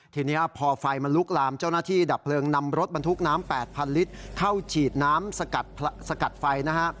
ทีนี้พอไฟมันลุกลามเจ้าหน้าที่ดับเพลิงนำรถบรรทุกน้ำ๘๐๐ลิตรเข้าฉีดน้ำสกัดไฟนะฮะ